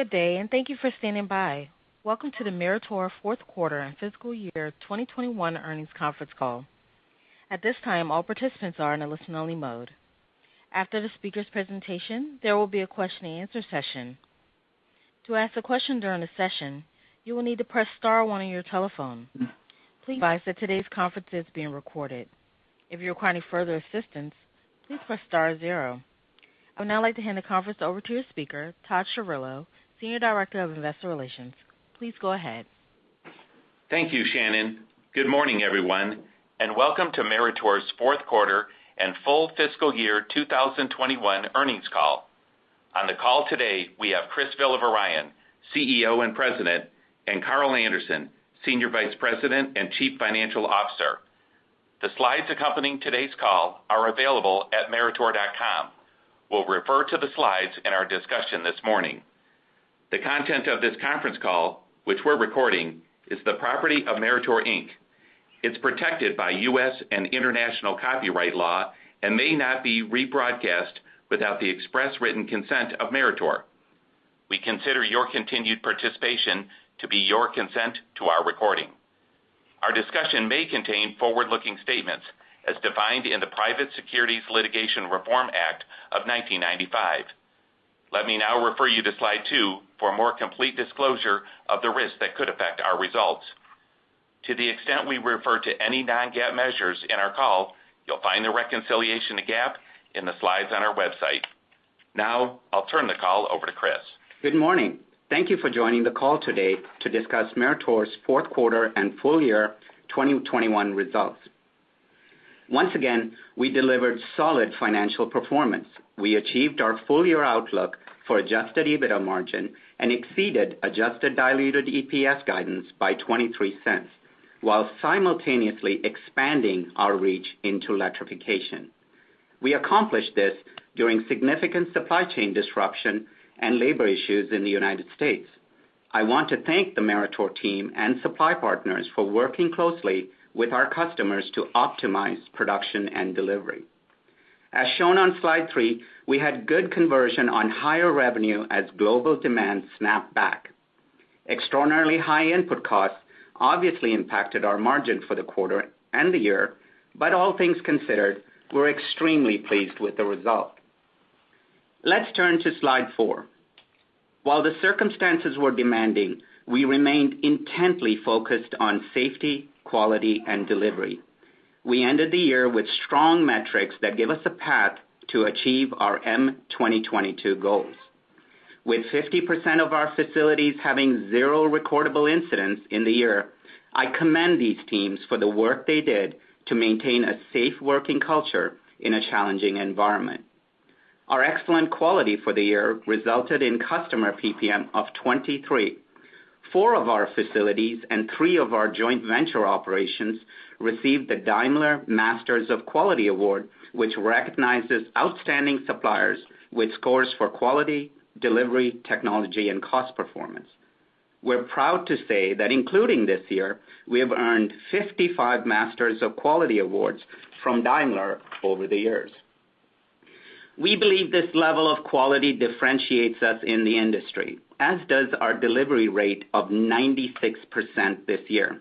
Good day, and thank you for standing by. Welcome to the Meritor Fourth Quarter and Fiscal Year 2021 earnings conference call. At this time, all participants are in a listen-only mode. After the speaker's presentation, there will be a question and answer session. To ask a question during the session, you will need to press star one on your telephone. Please advise that today's conference is being recorded. If you require any further assistance, please press star zero. I would now like to hand the conference over to your speaker, Todd Chirillo, Senior Director of Investor Relations. Please go ahead. Thank you, Shannon. Good morning everyone and welcome to Meritor's fourth quarter and full fiscal year 2021 earnings call. On the call today, we have Chris Villavarayan, CEO and President, and Carl Anderson, Senior Vice President and Chief Financial Officer. The slides accompanying today's call are available at meritor.com. We'll refer to the slides in our discussion this morning. The content of this conference call, which we're recording, is the property of Meritor, Inc. It's protected by U.S. and international copyright law and may not be rebroadcast without the express written consent of Meritor. We consider your continued participation to be your consent to our recording. Our discussion may contain forward-looking statements as defined in the Private Securities Litigation Reform Act of 1995. Let me now refer you to slide two for a more complete disclosure of the risks that could affect our results. To the extent we refer to any non-GAAP measures in our call, you'll find the reconciliation to GAAP in the slides on our website. Now, I'll turn the call over to Chris. Good morning. Thank you for joining the call today to discuss Meritor's fourth quarter and full year 2021 results. Once again, we delivered solid financial performance. We achieved our full-year outlook for Adjusted EBITDA margin and exceeded adjusted diluted EPS guidance by $0.23 while simultaneously expanding our reach into electrification. We accomplished this during significant supply chain disruption and labor issues in the United States. I want to thank the Meritor team and supply partners for working closely with our customers to optimize production and delivery. As shown on slide three, we had good conversion on higher revenue as global demand snapped back. Extraordinarily high input costs obviously impacted our margin for the quarter and the year, but all things considered, we're extremely pleased with the result. Let's turn to slide four. While the circumstances were demanding, we remained intently focused on safety, quality, and delivery. We ended the year with strong metrics that give us a path to achieve our M2022 goals. With 50% of our facilities having 0 recordable incidents in the year, I commend these teams for the work they did to maintain a safe working culture in a challenging environment. Our excellent quality for the year resulted in customer PPM of 23. Four of our facilities and three of our joint venture operations received the Daimler Masters of Quality Award, which recognizes outstanding suppliers with scores for quality, delivery, technology, and cost performance. We're proud to say that including this year, we have earned 55 Masters of Quality awards from Daimler over the years. We believe this level of quality differentiates us in the industry, as does our delivery rate of 96% this year.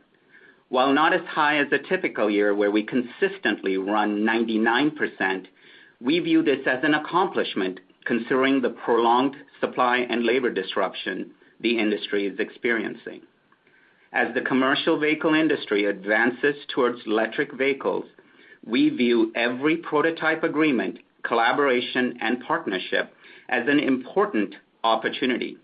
While not as high as a typical year, where we consistently run 99%, we view this as an accomplishment considering the prolonged supply and labor disruption the industry is experiencing. As the commercial vehicle industry advances towards electric vehicles, we view every prototype agreement, collaboration, and partnership as an important opportunity.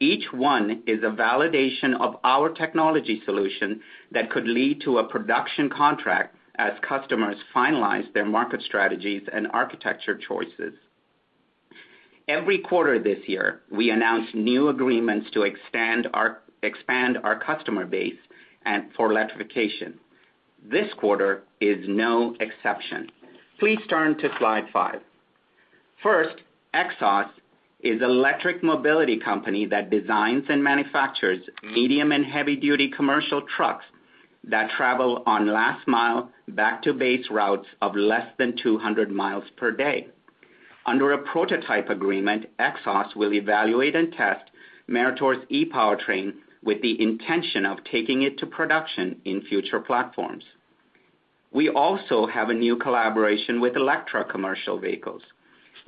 Each one is a validation of our technology solution that could lead to a production contract as customers finalize their market strategies and architecture choices. Every quarter this year, we announced new agreements to expand our customer base and for electrification. This quarter is no exception. Please turn to slide five. First, Xos is an electric mobility company that designs and manufactures medium- and heavy-duty commercial trucks that travel on last-mile back-to-base routes of less than 200 miles per day. Under a prototype agreement, Xos will evaluate and test Meritor's ePowertrain with the intention of taking it to production in future platforms. We also have a new collaboration with Electra Commercial Vehicles.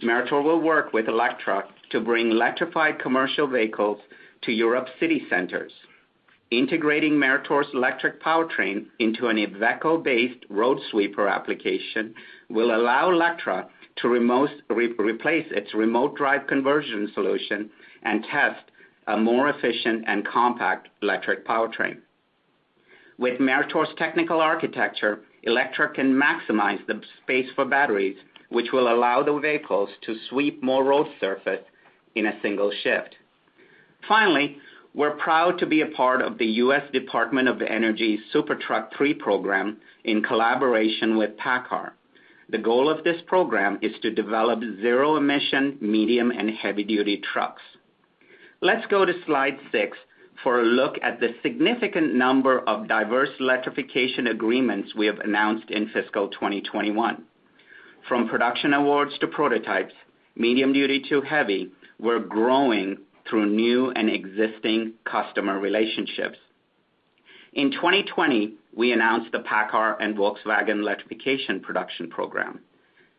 Meritor will work with Electra to bring electrified commercial vehicles to Europe city centers. Integrating Meritor's electric powertrain into an Iveco-based road sweeper application will allow Electra to replace its remote drive conversion solution and test a more efficient and compact electric powertrain. With Meritor's technical architecture, Electra can maximize the space for batteries, which will allow the vehicles to sweep more road surface in a single shift. Finally, we're proud to be a part of the U.S. Department of Energy's SuperTruck 3 program in collaboration with PACCAR. The goal of this program is to develop zero-emission medium and heavy-duty trucks. Let's go to slide six for a look at the significant number of diverse electrification agreements we have announced in fiscal 2021. From production awards to prototypes, medium-duty to heavy, we're growing through new and existing customer relationships. In 2020, we announced the PACCAR and Volkswagen electrification production program.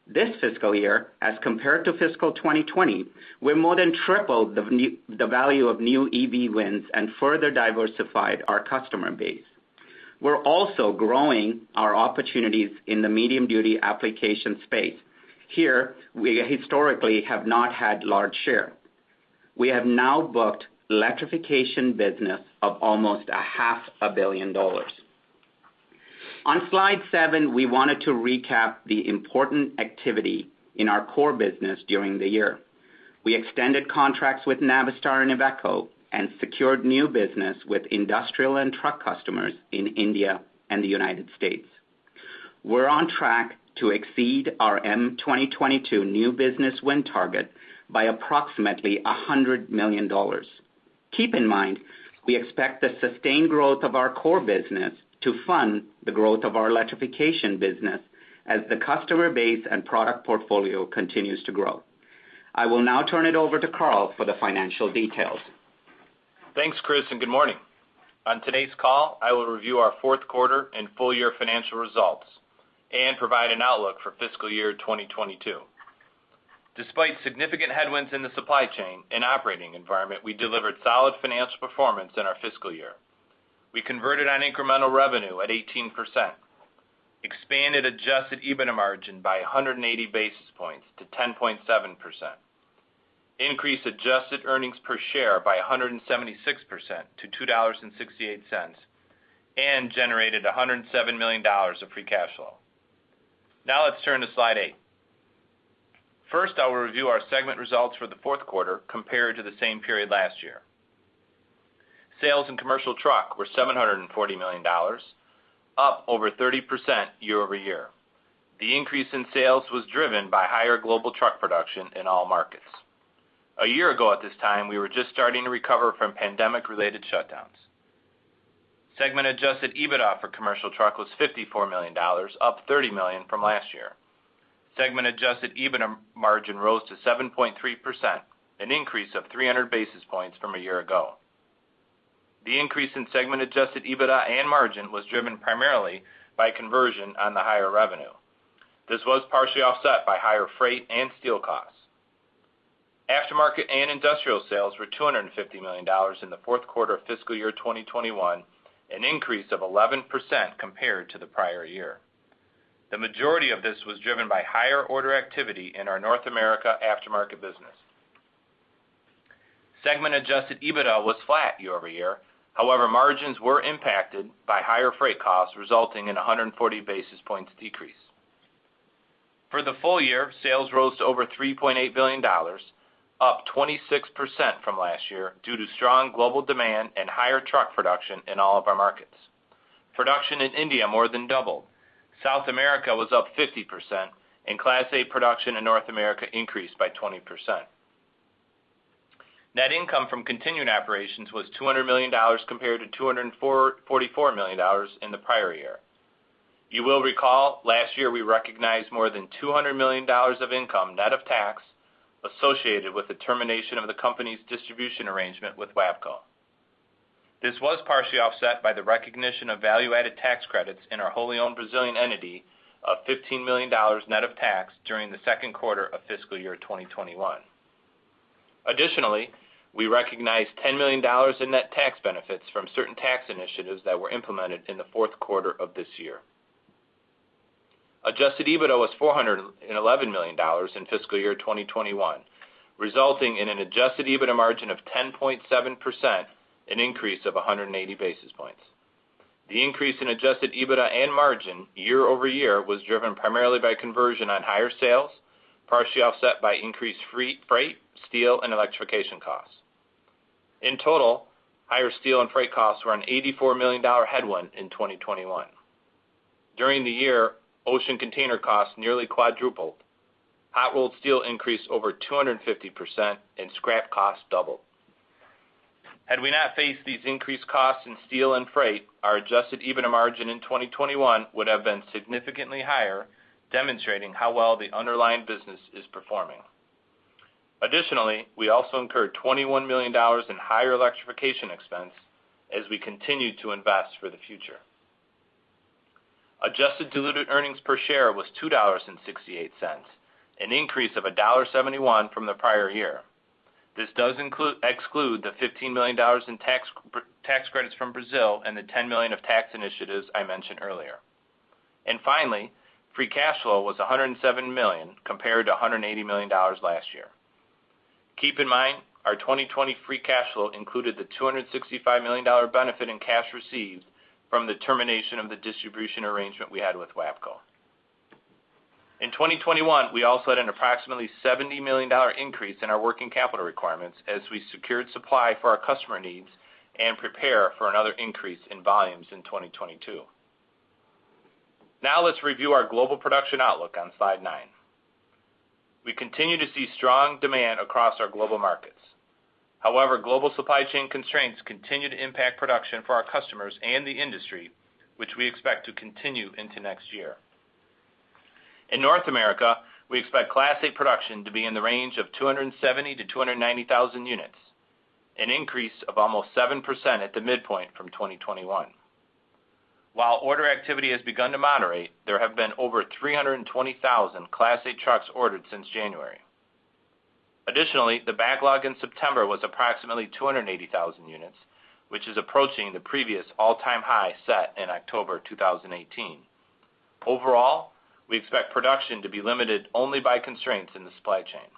This fiscal year, as compared to fiscal 2020, we more than tripled the value of new EV wins and further diversified our customer base. We're also growing our opportunities in the medium-duty application space. Here, we historically have not had large share. We have now booked electrification business of almost $500,000,000. On slide seven, we wanted to recap the important activity in our core business during the year. We extended contracts with Navistar and Iveco, and secured new business with industrial and truck customers in India and the United States. We're on track to exceed our M2022 new business win target by approximately $100 million. Keep in mind, we expect the sustained growth of our core business to fund the growth of our electrification business as the customer base and product portfolio continues to grow. I will now turn it over to Carl for the financial details. Thanks Chris and good morning. On today's call, I will review our fourth quarter and full year financial results and provide an outlook for fiscal year 2022. Despite significant headwinds in the supply chain and operating environment, we delivered solid financial performance in our fiscal year. We converted on incremental revenue at 18%, expanded Adjusted EBITDA margin by 180 basis points to 10.7%, increased adjusted earnings per share by 176% to $2.68, and generated $107 million of free cash flow. Now let's turn to slide eight. First, I will review our segment results for the fourth quarter compared to the same period last year. Sales in Commercial Truck were $740 million, up over 30% year-over-year. The increase in sales was driven by higher global truck production in all markets. A year ago at this time, we were just starting to recover from pandemic-related shutdowns. Segment Adjusted EBITDA for Commercial Truck was $54 million, up $30 million from last year. Segment Adjusted EBITDA margin rose to 7.3%, an increase of 300 basis points from a year ago. The increase in segment Adjusted EBITDA and margin was driven primarily by conversion on the higher revenue. This was partially offset by higher freight and steel costs. Aftermarket and Industrial sales were $250 million in the fourth quarter of fiscal year 2021, an increase of 11% compared to the prior year. The majority of this was driven by higher order activity in our North America Aftermarket business. Segment Adjusted EBITDA was flat year over year. However, margins were impacted by higher freight costs, resulting in 140 basis points decrease. For the full year, sales rose to over $3.8 billion, up 26% from last year due to strong global demand and higher truck production in all of our markets. Production in India more than doubled. South America was up 50%, and Class 8 production in North America increased by 20%. Net income from continuing operations was $200 million compared to $244 million in the prior year. You will recall last year we recognized more than $200 million of income, net of tax, associated with the termination of the company's distribution arrangement with WABCO. This was partially offset by the recognition of value-added tax credits in our wholly owned Brazilian entity of $15 million net of tax during the second quarter of fiscal year 2021. Additionally, we recognized $10 million in net tax benefits from certain tax initiatives that were implemented in the fourth quarter of this year. Adjusted EBITDA was $411 million in fiscal year 2021, resulting in an Adjusted EBITDA margin of 10.7%, an increase of 180 basis points. The increase in Adjusted EBITDA and margin year-over-year was driven primarily by conversion on higher sales, partially offset by increased freight, steel, and electrification costs. In total, higher steel and freight costs were an $84 million headwind in 2021. During the year, ocean container costs nearly quadrupled. Hot-rolled steel increased over 250%, and scrap costs doubled. Had we not faced these increased costs in steel and freight, our Adjusted EBITDA margin in 2021 would have been significantly higher, demonstrating how well the underlying business is performing. Additionally, we also incurred $21 million in higher electrification expense as we continue to invest for the future. Adjusted diluted earnings per share was $2.68, an increase of $1.71 from the prior year. This does exclude the $15 million in tax credits from Brazil and the $10 million of tax initiatives I mentioned earlier. Finally, free cash flow was $107 million, compared to $180 million last year. Keep in mind, our 2020 free cash flow included the $265 million benefit in cash received from the termination of the distribution arrangement we had with WABCO. In 2021, we also had an approximately $70 million increase in our working capital requirements as we secured supply for our customer needs and prepare for another increase in volumes in 2022. Now let's review our global production outlook on slide nine. We continue to see strong demand across our global markets. However, global supply chain constraints continue to impact production for our customers and the industry, which we expect to continue into next year. In North America, we expect Class 8 production to be in the range of 270,000-290,000 units, an increase of almost 7% at the midpoint from 2021. While order activity has begun to moderate, there have been over 320,000 Class 8 trucks ordered since January. Additionally, the backlog in September was approximately 280,000 units, which is approaching the previous all-time high set in October 2018. Overall, we expect production to be limited only by constraints in the supply chain.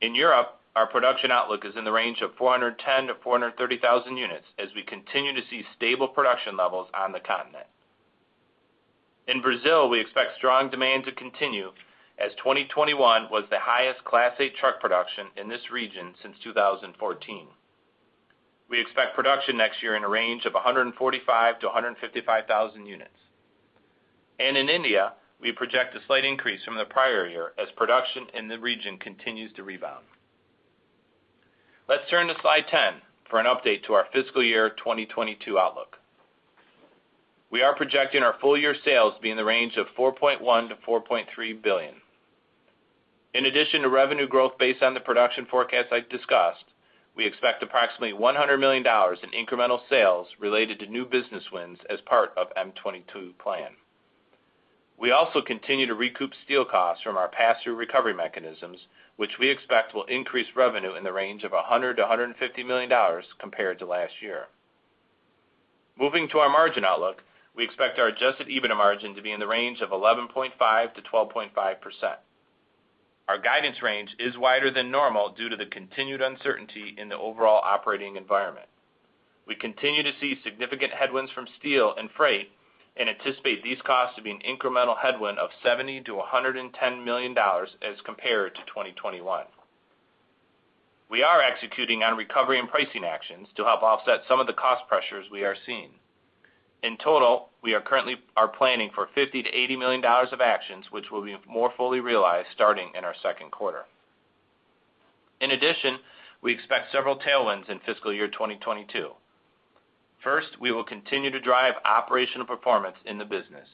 In Europe, our production outlook is in the range of 410,000-430,000 units as we continue to see stable production levels on the continent. In Brazil, we expect strong demand to continue as 2021 was the highest Class 8 truck production in this region since 2014. We expect production next year in a range of 145,000-155,000 units. In India, we project a slight increase from the prior year as production in the region continues to rebound. Let's turn to slide 10 for an update to our fiscal year 2022 outlook. We are projecting our full year sales to be in the range of $4.1 billion-$4.3 billion. In addition to revenue growth based on the production forecast I discussed, we expect approximately $100 million in incremental sales related to new business wins as part of M2022 plan. We also continue to recoup steel costs from our pass-through recovery mechanisms, which we expect will increase revenue in the range of $100 million-$150 million compared to last year. Moving to our margin outlook, we expect our Adjusted EBITDA margin to be in the range of 11.5%-12.5%. Our guidance range is wider than normal due to the continued uncertainty in the overall operating environment. We continue to see significant headwinds from steel and freight and anticipate these costs to be an incremental headwind of $70 million-$110 million as compared to 2021. We are executing on recovery and pricing actions to help offset some of the cost pressures we are seeing. In total, we are currently planning for $50 million-$80 million of actions, which will be more fully realized starting in our second quarter. In addition, we expect several tailwinds in fiscal year 2022. First, we will continue to drive operational performance in the business,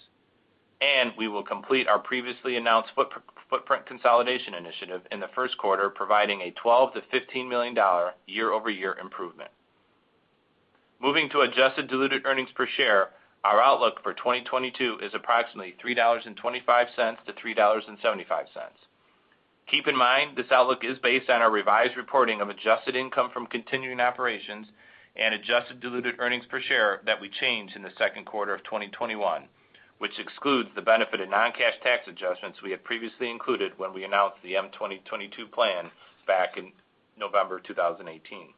and we will complete our previously announced footprint consolidation initiative in the first quarter, providing a $12 million-$15 million year-over-year improvement. Moving to adjusted diluted earnings per share, our outlook for 2022 is approximately $3.25-$3.75. Keep in mind, this outlook is based on our revised reporting of adjusted income from continuing operations and adjusted diluted earnings per share that we changed in the second quarter of 2021, which excludes the benefit of non-cash tax adjustments we had previously included when we announced the M 2022 plan back in November 2018.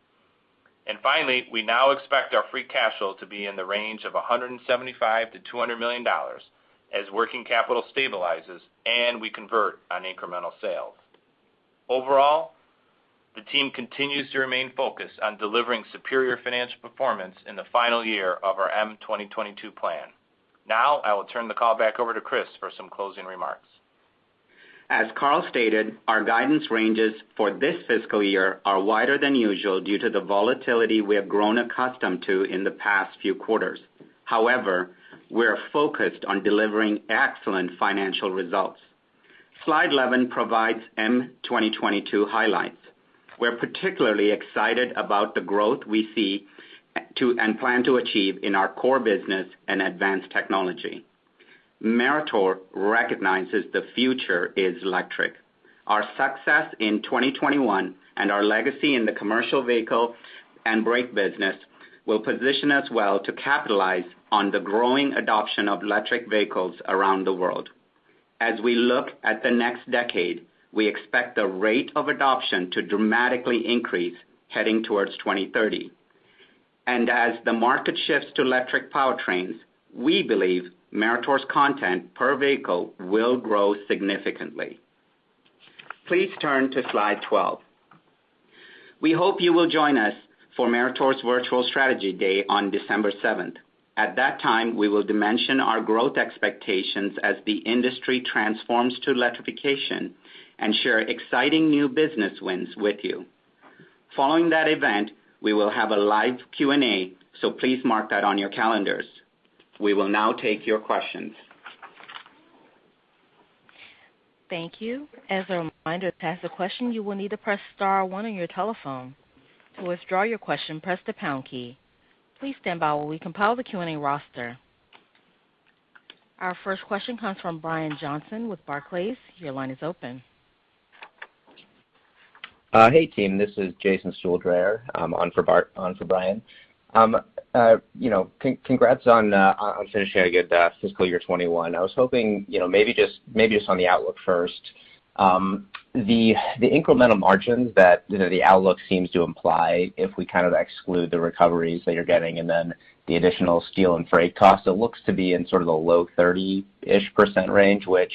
Finally, we now expect our free cash flow to be in the range of $175 million-$200 million as working capital stabilizes and we convert on incremental sales. Overall, the team continues to remain focused on delivering superior financial performance in the final year of our M2022 plan. Now, I will turn the call back over to Chris for some closing remarks. As Carl stated, our guidance ranges for this fiscal year are wider than usual due to the volatility we have grown accustomed to in the past few quarters. However, we are focused on delivering excellent financial results. Slide 11 provides M2022 highlights. We're particularly excited about the growth we see and plan to achieve in our core business and advanced technology. Meritor recognizes the future is electric. Our success in 2021 and our legacy in the commercial vehicle and brake business will position us well to capitalize on the growing adoption of electric vehicles around the world. As we look at the next decade, we expect the rate of adoption to dramatically increase heading towards 2030. As the market shifts to electric powertrains, we believe Meritor's content per vehicle will grow significantly. Please turn to slide 12. We hope you will join us for Meritor's Virtual Strategy Day on December seventh. At that time, we will dimension our growth expectations as the industry transforms to electrification and share exciting new business wins with you. Following that event, we will have a live Q&A, so please mark that on your calendars. We will now take your questions. Thank you. As a reminder, to ask a question, you will need to press star one on your telephone. To withdraw your question, press the pound key. Please stand by while we compile the Q&A roster. Our first question comes from Brian Johnson with Barclays. Your line is open. Hey, team. This is Jason Stuhldreher. I'm on for Brian. You know, congrats on finishing a good fiscal year 2021. I was hoping, you know, maybe just on the outlook first. The incremental margins that, you know, the outlook seems to imply if we kind of exclude the recoveries that you're getting and then the additional steel and freight costs, it looks to be in sort of the low 30-ish% range, which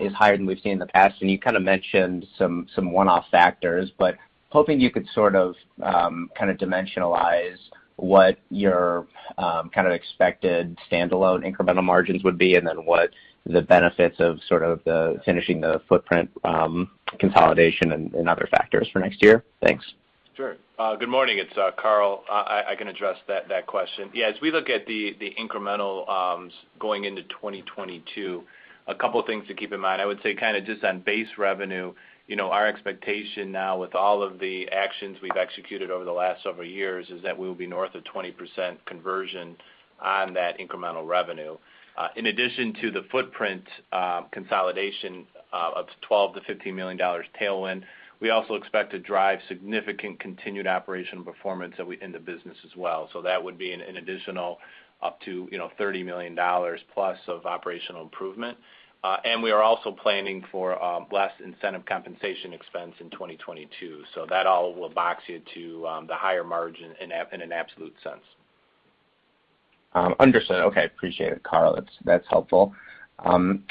is higher than we've seen in the past, and you kind of mentioned some one-off factors, but hoping you could sort of kind of dimensionalize what your kind of expected standalone incremental margins would be and then what the benefits of sort of finishing the footprint consolidation and other factors for next year. Thanks. Sure. Good morning. It's Carl. I can address that question. Yeah, as we look at the incremental going into 2022, a couple things to keep in mind. I would say kind of just on base revenue, you know, our expectation now with all of the actions we've executed over the last several years is that we will be north of 20% conversion on that incremental revenue. In addition to the footprint consolidation up to $12 million-$15 million tailwind, we also expect to drive significant continued operational performance in the business as well. That would be an additional up to, you know, $30 million plus of operational improvement. We are also planning for less incentive compensation expense in 2022, so that all will contribute to the higher margin in an absolute sense. Understood. Okay, appreciate it, Carl. That's helpful. You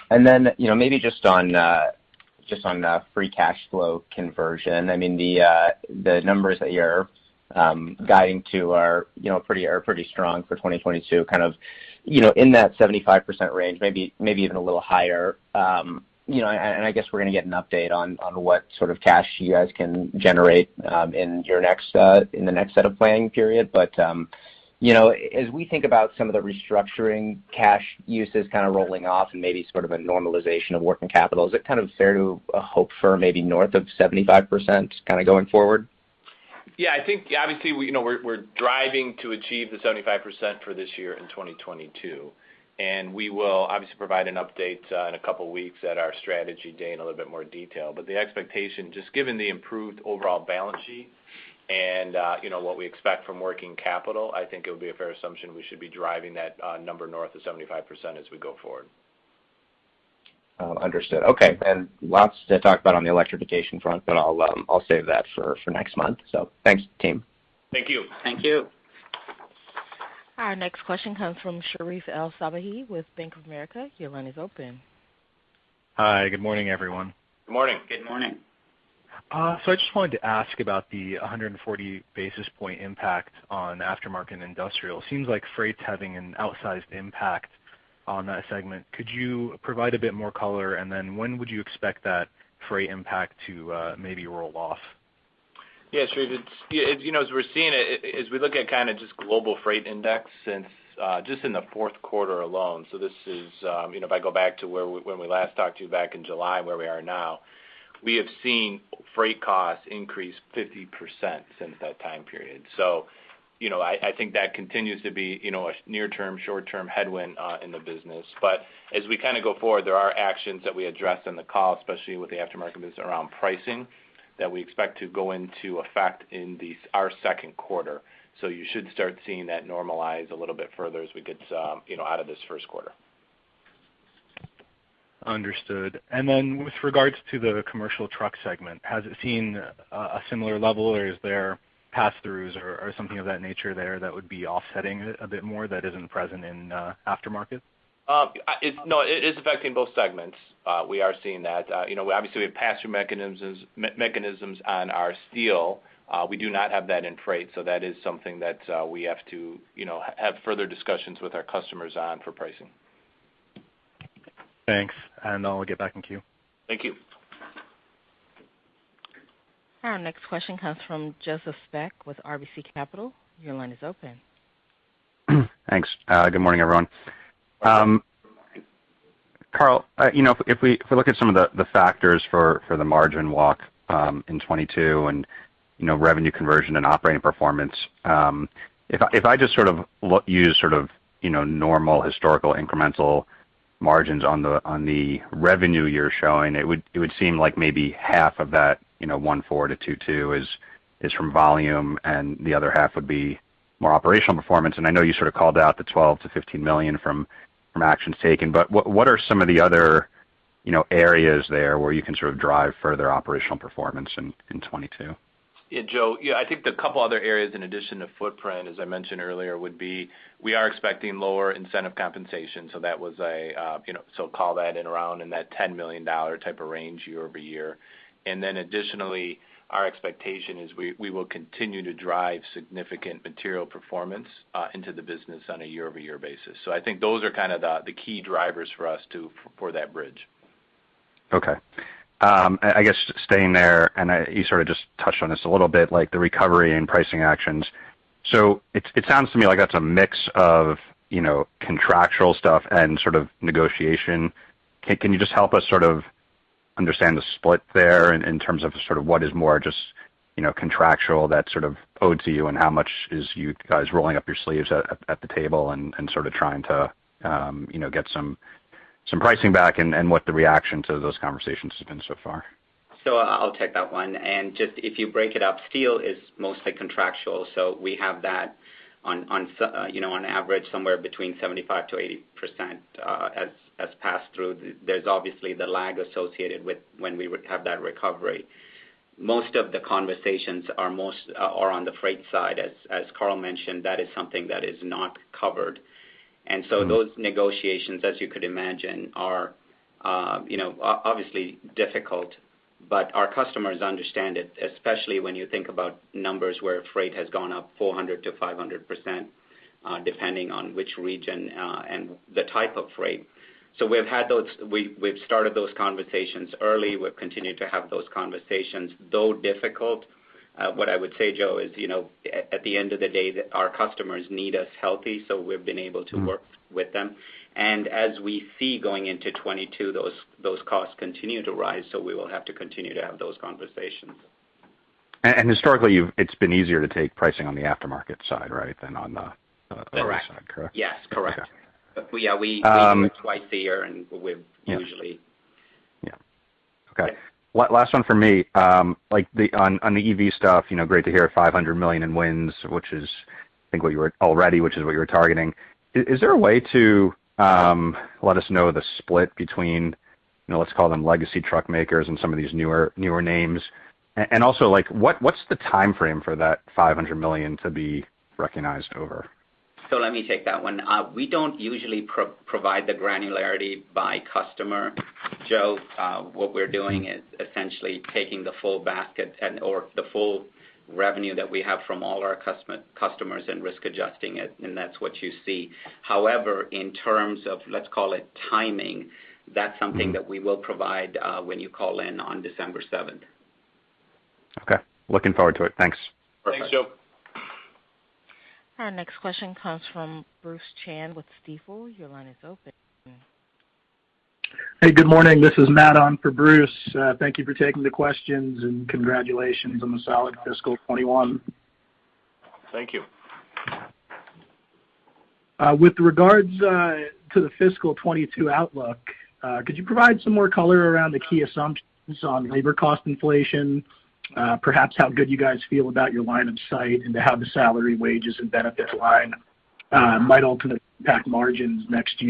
know, maybe just on free cash flow conversion, I mean, the numbers that you're guiding to are, you know, pretty strong for 2022, kind of, you know, in that 75% range, maybe even a little higher. You know, I guess we're gonna get an update on what sort of cash you guys can generate in your next set of planning period. You know, as we think about some of the restructuring cash uses kind of rolling off and maybe sort of a normalization of working capital, is it kind of fair to hope for maybe north of 75% kind of going forward? Yeah, I think obviously we, you know, we're driving to achieve the 75% for this year in 2022. We will obviously provide an update in a couple weeks at our strategy day in a little bit more detail. The expectation, just given the improved overall balance sheet and, you know, what we expect from working capital, I think it would be a fair assumption we should be driving that number north of 75% as we go forward. Understood. Okay. Lots to talk about on the electrification front, but I'll save that for next month. Thanks, team. Thank you. Thank you. Our next question comes from Sherif El-Sabbahy with Bank of America. Your line is open. Hi, good morning, everyone. Good morning. Good morning. I just wanted to ask about the 140 basis points impact on Aftermarket and Industrial. Seems like freight's having an outsized impact on that segment. Could you provide a bit more color? Then when would you expect that freight impact to maybe roll off? Yeah, Sherif, you know, as we're seeing it, as we look at kind of just global freight index since just in the fourth quarter alone, this is, you know, if I go back to when we last talked to you back in July, where we are now, we have seen freight costs increase 50% since that time period. You know, I think that continues to be a near-term, short-term headwind in the business. But as we kind of go forward, there are actions that we addressed in the call, especially with the aftermarket, is around pricing that we expect to go into effect in our second quarter. You should start seeing that normalize a little bit further as we get out of this first quarter. Understood. With regards to the Commercial Truck segment, has it seen a similar level, or is there pass-throughs or something of that nature there that would be offsetting it a bit more that isn't present in Aftermarket? No, it is affecting both segments. We are seeing that. You know, obviously, we have pass-through mechanisms on our steel. We do not have that in freight, so that is something that we have to, you know, have further discussions with our customers on for pricing. Thanks. I'll get back in queue. Thank you. Our next question comes from Joseph Spak with RBC Capital. Your line is open. Thanks. Good morning, everyone. Good morning. Carl, you know, if we look at some of the factors for the margin walk in 2022 and, you know, revenue conversion and operating performance, if I just sort of use sort of, you know, normal historical incremental margins on the revenue you're showing, it would seem like maybe half of that, you know, 1.4%-2.2% is from volume, and the other half would be more operational performance. I know you sort of called out the $12 million-$15 million from actions taken, but what are some of the other, you know, areas there where you can sort of drive further operational performance in 2022? Yeah, Joe, yeah, I think the couple other areas in addition to footprint, as I mentioned earlier, would be we are expecting lower incentive compensation, so that was a so call that in around that $10 million type of range year-over-year. Then additionally, our expectation is we will continue to drive significant material performance into the business on a year-over-year basis. I think those are kind of the key drivers for us for that bridge. Okay. I guess staying there, you sort of just touched on this a little bit, like the recovery and pricing actions. It sounds to me like that's a mix of, you know, contractual stuff and sort of negotiation. Can you just help us sort of understand the split there in terms of sort of what is more just, you know, contractual that's sort of owed to you and how much is you guys rolling up your sleeves at the table and sort of trying to, you know, get some pricing back and what the reaction to those conversations have been so far? I'll take that one. Just if you break it up, steel is mostly contractual, so we have that on average somewhere between 75%-80% as pass-through. There's obviously the lag associated with when we would have that recovery. Most of the conversations are on the freight side. As Carl mentioned, that is something that is not covered. Those negotiations, as you could imagine, are obviously difficult, but our customers understand it, especially when you think about numbers where freight has gone up 400%-500%, depending on which region and the type of freight. We've started those conversations early. We've continued to have those conversations, though difficult. What I would say, Joe, is, you know, at the end of the day that our customers need us healthy, so we've been able to work with them. As we see going into 2022, those costs continue to rise, so we will have to continue to have those conversations. Historically, it's been easier to take pricing on the Aftermarket side, right, than on the OE side, correct? Yes, correct. Okay. We, yeah, we. Um. We do it twice a year, and we're usually. Yeah. Okay. Last one for me. Like, on the EV stuff, you know, great to hear $500 million in wins, which is I think what you were already, which is what you were targeting. Is there a way to let us know the split between, you know, let's call them legacy truck makers and some of these newer names? And also, like, what's the timeframe for that $500 million to be recognized over? Let me take that one. We don't usually provide the granularity by customer, Joe. What we're doing is essentially taking the full basket and/or the full revenue that we have from all our customers and risk adjusting it, and that's what you see. However, in terms of, let's call it timing, that's something that we will provide when you call in on December seventh. Okay. Looking forward to it. Thanks. Perfect. Thanks, Joe. Our next question comes from Bruce Chan with Stifel. Your line is open. Hey, good morning. This is Matt on for Bruce. Thank you for taking the questions, and congratulations on the solid fiscal 2021. Thank you. With regards to the fiscal 2022 outlook, could you provide some more color around the key assumptions on labor cost inflation, perhaps how good you guys feel about your line of sight into how the salary, wages, and benefits line might ultimately impact margins next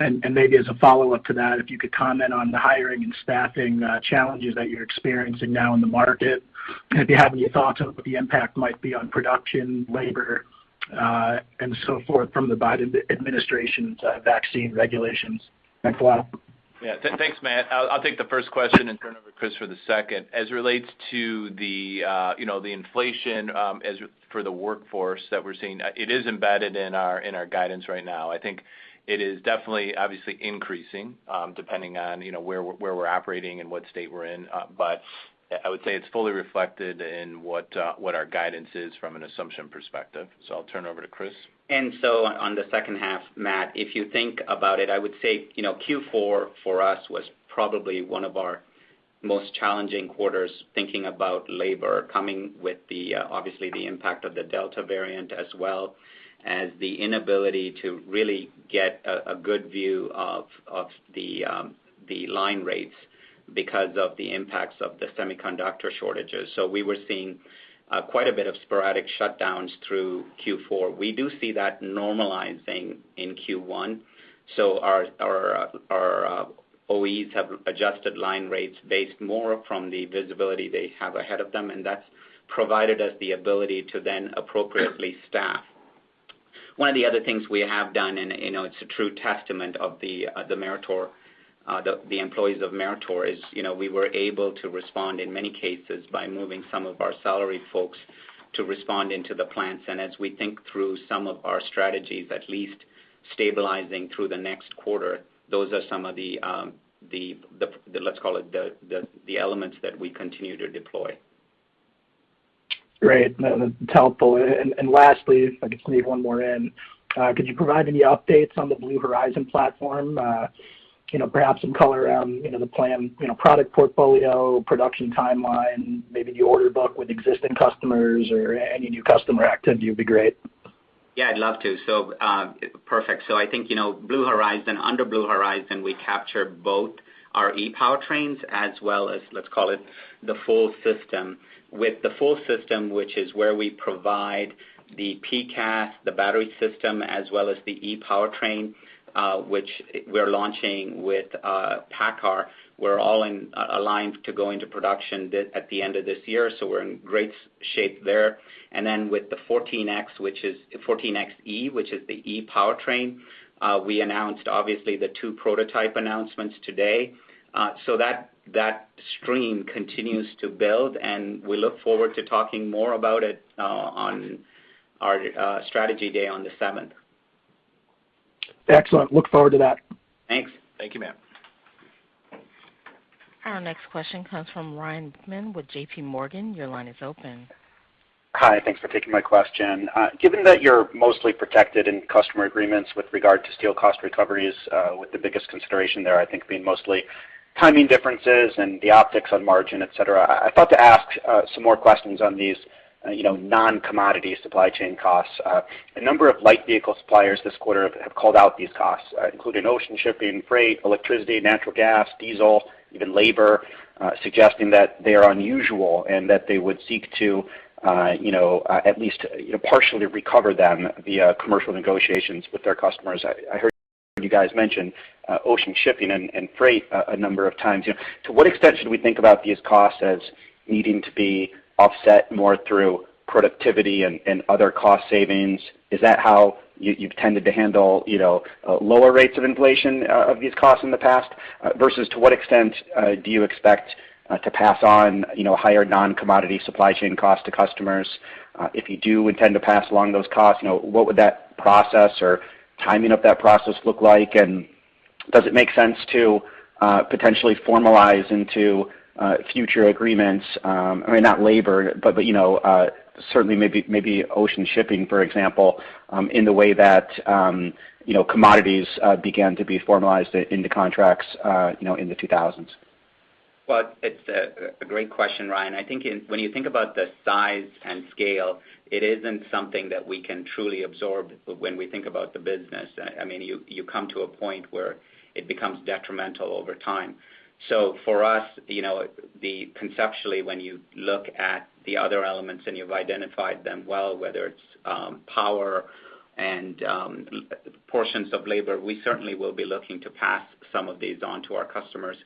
year? Maybe as a follow-up to that, if you could comment on the hiring and staffing challenges that you're experiencing now in the market, and if you have any thoughts on what the impact might be on production, labor, and so forth from the Biden administration's vaccine regulations. Thanks a lot. Yeah. Thanks, Matt. I'll take the first question and turn it over to Chris for the second. As it relates to the inflation for the workforce that we're seeing, it is embedded in our guidance right now. I think it is definitely obviously increasing depending on where we're operating and what state we're in. But I would say it's fully reflected in what our guidance is from an assumption perspective. I'll turn it over to Chris. On the H2, Matt, if you think about it, I would say, you know, Q4 for us was probably one of our most challenging quarters thinking about labor coming with the, obviously the impact of the Delta variant as well as the inability to really get a good view of the line rates because of the impacts of the semiconductor shortages. We were seeing quite a bit of sporadic shutdowns through Q4. We do see that normalizing in Q1, our OEs have adjusted line rates based more from the visibility they have ahead of them, and that's provided us the ability to then appropriately staff. One of the other things we have done, and, you know, it's a true testament of the Meritor employees of Meritor is, you know, we were able to respond in many cases by moving some of our salary folks to respond into the plants. As we think through some of our strategies, at least stabilizing through the next quarter, those are some of the let's call it the elements that we continue to deploy. Great. No, no, it's helpful. Lastly, if I can squeeze one more in, could you provide any updates on the Blue Horizon platform? You know, perhaps some color around, you know, the plan, you know, product portfolio, production timeline, maybe the order book with existing customers or any new customer activity would be great. Yeah, I'd love to. Perfect. I think, you know, Blue Horizon, under Blue Horizon, we capture both our ePowertrains as well as, let's call it the full system. With the full system, which is where we provide the PCAS, the battery system, as well as the ePowertrain, which we're launching with PACCAR. We're all aligned to go into production at the end of this year, so we're in great shape there. With the 14X, which is 14Xe, which is the ePowertrain, we announced obviously the two prototype announcements today. That stream continues to build, and we look forward to talking more about it on our strategy day on the seventh. Excellent. Look forward to that. Thanks. Thank you, Matt. Our next question comes from Ryan Brinkman with JPMorgan. Your line is open. Hi. Thanks for taking my question. Given that you're mostly protected in customer agreements with regard to steel cost recoveries, with the biggest consideration there, I think being mostly timing differences and the optics on margin, et cetera, I thought to ask some more questions on these, you know, non-commodity supply chain costs. A number of light vehicle suppliers this quarter have called out these costs, including ocean shipping, freight, electricity, natural gas, diesel, even labor, suggesting that they are unusual and that they would seek to, you know, at least, you know, partially recover them via commercial negotiations with their customers. I heard you guys mentioned ocean shipping and freight a number of times. You know, to what extent should we think about these costs as needing to be offset more through productivity and other cost savings? Is that how you've tended to handle, you know, lower rates of inflation of these costs in the past? Versus to what extent do you expect to pass on, you know, higher non-commodity supply chain costs to customers? If you do intend to pass along those costs, you know, what would that process or timing of that process look like? Does it make sense to potentially formalize into future agreements, I mean, not labor, but you know, certainly maybe ocean shipping, for example, in the way that you know, commodities began to be formalized into contracts, you know, in the 2000s? Well, it's a great question, Ryan. I think when you think about the size and scale, it isn't something that we can truly absorb when we think about the business. I mean, you come to a point where it becomes detrimental over time. For us, you know, conceptually, when you look at the other elements, and you've identified them well, whether it's power and portions of labor, we certainly will be looking to pass some of these on to our customers.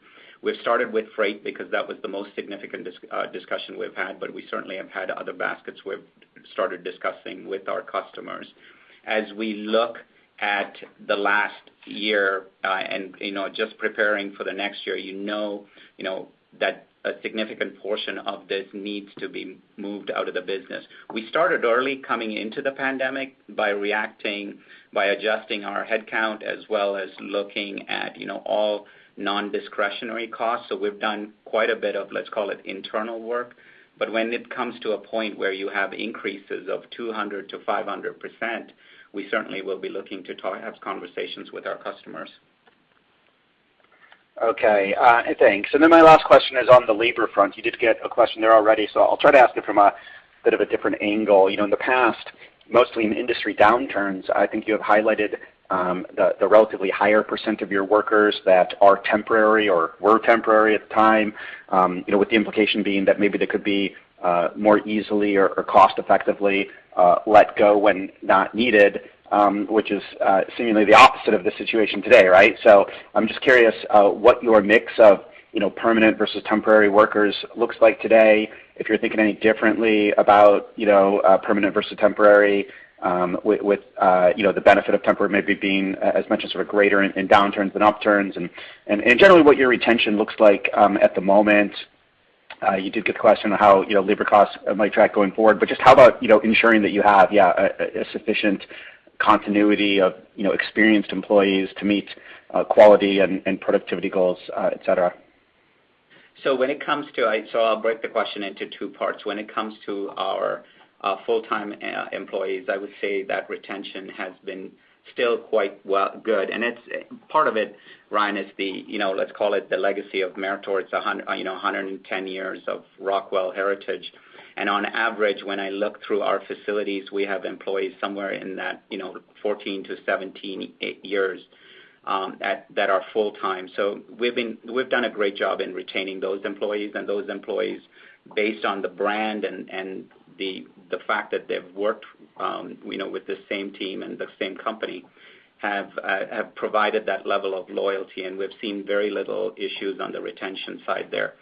We've started with freight because that was the most significant discussion we've had, but we certainly have had other baskets we've started discussing with our customers. As we look at the last year, you know, just preparing for the next year, you know, that a significant portion of this needs to be moved out of the business. We started early coming into the pandemic by reacting, by adjusting our headcount as well as looking at, you know, all non-discretionary costs. We've done quite a bit of, let's call it, internal work. When it comes to a point where you have increases of 200%-500%, we certainly will be looking to have conversations with our customers. Okay. Thanks. My last question is on the labor front. You did get a question there already, so I'll try to ask it from a bit of a different angle. You know, in the past, mostly in industry downturns, I think you have highlighted the relatively higher percent of your workers that are temporary or were temporary at the time, you know, with the implication being that maybe they could be more easily or cost-effectively let go when not needed, which is seemingly the opposite of the situation today, right? I'm just curious what your mix of, you know, permanent versus temporary workers looks like today, if you're thinking any differently about, you know, permanent versus temporary, with, you know, the benefit of temporary maybe being as much as sort of greater in downturns than upturns, and generally, what your retention looks like at the moment. You did get a question on how, you know, labor costs might track going forward, but just how about, you know, ensuring that you have a sufficient continuity of, you know, experienced employees to meet quality and productivity goals, et cetera? I'll break the question into two parts. When it comes to our full-time employees, I would say that retention has been still quite good. Part of it, Ryan, is the, you know, let's call it the legacy of Meritor. It's a hundred and ten years of Rockwell heritage. On average, when I look through our facilities, we have employees somewhere in that, you know, 14-17, eight years, that are full-time. We've done a great job in retaining those employees, and those employees, based on the brand and the fact that they've worked, you know, with the same team and the same company, have provided that level of loyalty, and we've seen very little issues on the retention side there.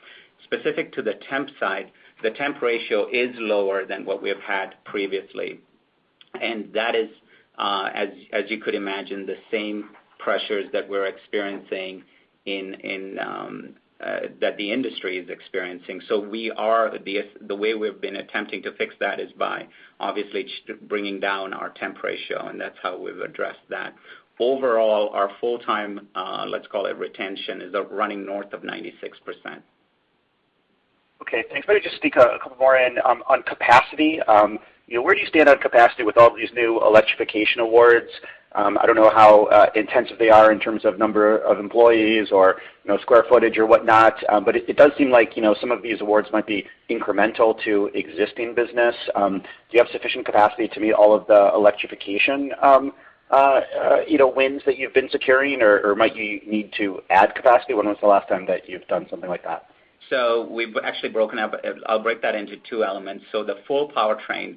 Specific to the temp side, the temp ratio is lower than what we have had previously. That is, as you could imagine, the same pressures that we're experiencing in that the industry is experiencing. The way we've been attempting to fix that is by, obviously, bringing down our temp ratio, and that's how we've addressed that. Overall, our full-time, let's call it retention, is running north of 96%. Okay, thanks. Maybe just speak a couple more on capacity. You know, where do you stand on capacity with all these new electrification awards? I don't know how intensive they are in terms of number of employees or, you know, square footage or whatnot, but it does seem like, you know, some of these awards might be incremental to existing business. Do you have sufficient capacity to meet all of the electrification, you know, wins that you've been securing, or might you need to add capacity? When was the last time that you've done something like that? We've actually broken up. I'll break that into two elements. The full powertrain,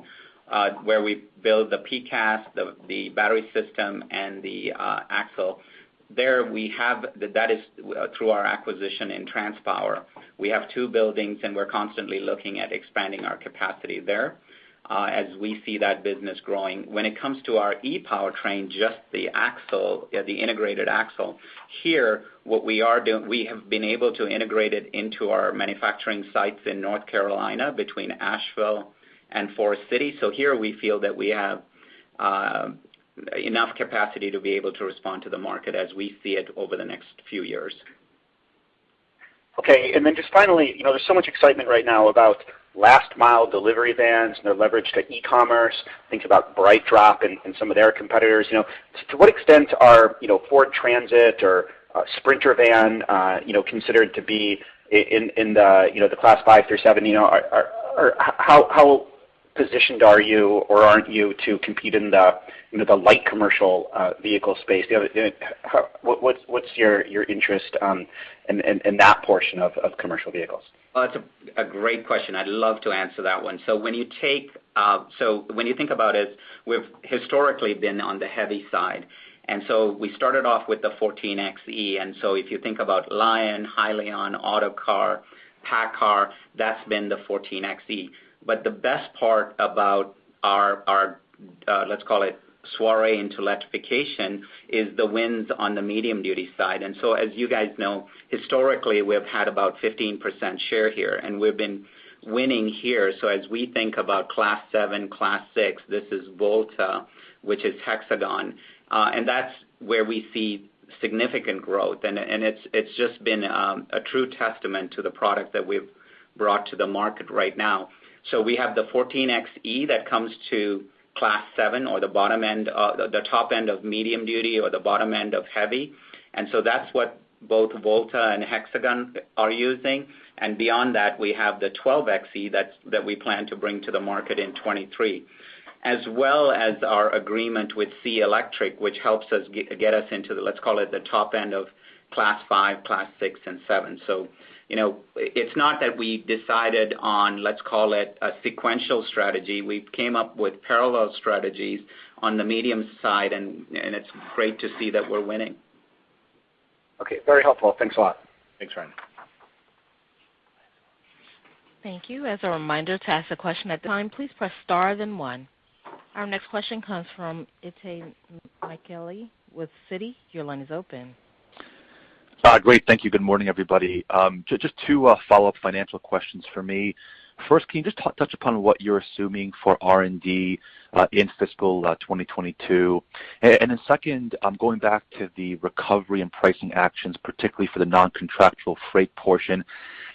where we build the PCAS, the battery system, and the axle, there we have. That is, through our acquisition in TransPower. We have two buildings, and we're constantly looking at expanding our capacity there, as we see that business growing. When it comes to our ePowertrain, just the axle, the integrated axle, here, what we are doing, we have been able to integrate it into our manufacturing sites in North Carolina between Asheville and Forest City. Here we feel that we have enough capacity to be able to respond to the market as we see it over the next few years. Okay. Just finally, you know, there's so much excitement right now about last mile delivery vans and their leverage to e-commerce. Think about BrightDrop and some of their competitors. You know, to what extent are, you know, Ford Transit or Sprinter van, you know, considered to be in the Class 5 through 7, you know? Or how Are you positioned or aren't you to compete in the, you know, the light commercial vehicle space? What's your interest in that portion of commercial vehicles? Well, that's a great question. I'd love to answer that one. When you think about it, we've historically been on the heavy side. We started off with the 14Xe. If you think about Lion, Hyliion, Autocar, PACCAR, that's been the 14Xe. The best part about our foray into electrification is the wins on the medium-duty side. As you guys know, historically, we have had about 15% share here, and we've been winning here. As we think about Class 7, Class 6, this is Volta, which is Hexagon. That's where we see significant growth. It's just been a true testament to the product that we've brought to the market right now. We have the 14Xe that comes to Class 7 or the bottom end, the top end of medium duty or the bottom end of heavy. That's what both Volta and Hexagon are using. Beyond that, we have the 12Xe that we plan to bring to the market in 2023, as well as our agreement with SEA Electric, which helps us get us into the, let's call it, the top end of Class 5, Class 6, and 7. You know, it's not that we decided on, let's call it a sequential strategy. We came up with parallel strategies on the medium side, and it's great to see that we're winning. Okay, very helpful. Thanks a lot. Thanks, Ryan. Thank you. As a reminder, to ask a question at this time, please press star then one. Our next question comes from Itay Michaeli with Citi. Your line is open. Great. Thank you. Good morning, everybody. Just two follow-up financial questions for me. First, can you just touch upon what you're assuming for R&D in fiscal 2022? Second, going back to the recovery and pricing actions, particularly for the non-contractual freight portion,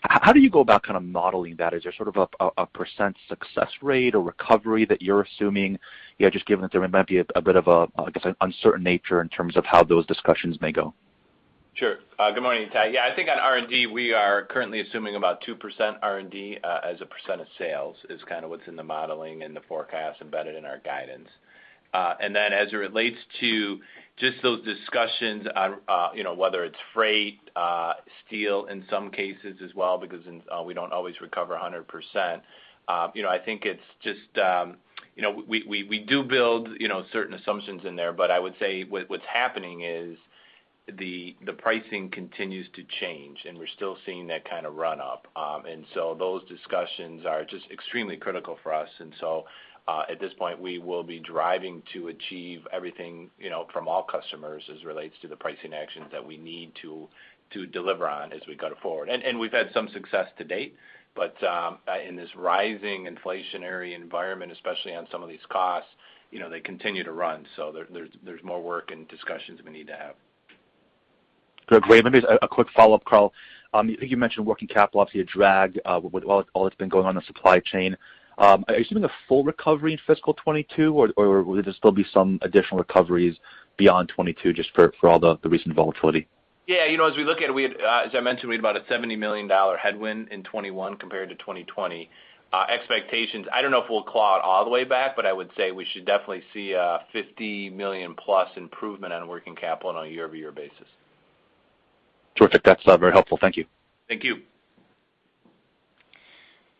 how do you go about kind of modeling that? Is there sort of a % success rate or recovery that you're assuming just given that there might be a bit of a, I guess, an uncertain nature in terms of how those discussions may go? Sure. Good morning, Itay. Yeah. I think on R&D, we are currently assuming about 2% R&D as a percent of sales is kind of what's in the modeling and the forecast embedded in our guidance. As it relates to just those discussions on you know whether it's freight steel in some cases as well, because we don't always recover 100%, you know I think it's just you know we do build you know certain assumptions in there, but I would say what's happening is the pricing continues to change, and we're still seeing that kind of run up. Those discussions are just extremely critical for us. At this point, we will be driving to achieve everything, you know, from all customers as relates to the pricing actions that we need to deliver on as we go forward. We've had some success to date. In this rising inflationary environment, especially on some of these costs, you know, they continue to run. There's more work and discussions we need to have. Great. Maybe just a quick follow-up, Carl. I think you mentioned working capital obviously a drag, with all that's been going on in the supply chain. Are you assuming a full recovery in fiscal 2022, or will there still be some additional recoveries beyond 2022 just for all the recent volatility? Yeah. You know, as we look at, as I mentioned, we had about a $70 million headwind in 2021 compared to 2020. Expectations, I don't know if we'll claw it all the way back, but I would say we should definitely see a $50 million-plus improvement on working capital on a year-over-year basis. Terrific. That's very helpful. Thank you. Thank you.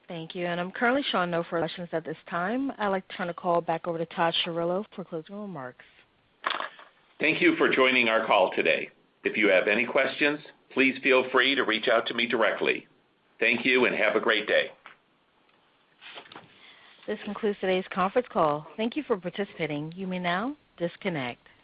Thank you. I'm currently showing no further questions at this time. I'd like to turn the call back over to Todd Chirillo for closing remarks. Thank you for joining our call today. If you have any questions, please feel free to reach out to me directly. Thank you, and have a great day. This concludes today's conference call. Thank you for participating. You may now disconnect.